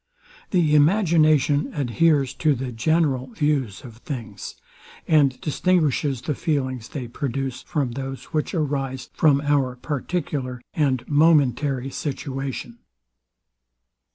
The imagination adheres to the general views of things, and distinguishes the feelings they produce, from those which arise from our particular and momentary situation.